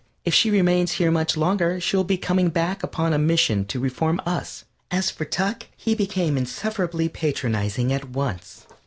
If she remains here much longer she will be coming back upon a mission to reform us. As for Tuck, he became insufferably patronizing at once.